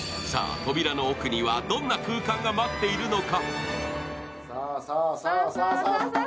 扉の奥にはどんな空間が待っているのか。